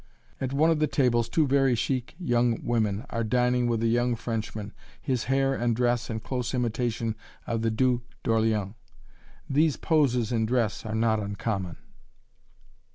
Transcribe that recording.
At one of the tables two very chic young women are dining with a young Frenchman, his hair and dress in close imitation of the Duc d'Orleans. These poses in dress are not uncommon.